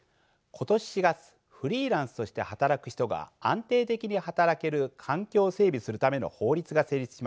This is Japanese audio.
今年４月フリーランスとして働く人が安定的に働ける環境を整備するための法律が成立しました。